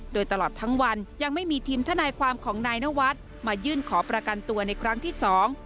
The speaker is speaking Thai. โดยตลอดทั้งวันยังไม่มีทีมทนายความของนายนวัฒน์มายื่นขอประกันตัวในครั้งที่สอง